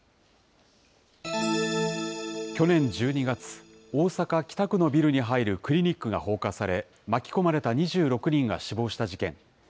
去年１２月、大阪・北区のビルに入るクリニックが放火され、巻き込まれた２６人が死亡した事件。